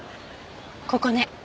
ここね。